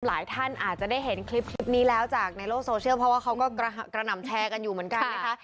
หลายท่านอาจจะได้เห็นคลิปนี้แล้วจากในโลกโซเชียลเพราะว่าเขาก็กระหน่ำแชร์กันอยู่เหมือนกันนะคะ